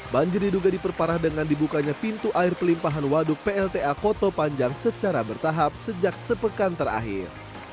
banjir diduga diperparah dengan dibukanya pintu air pelimpahan waduk plta koto panjang secara bertahap sejak sepekan terakhir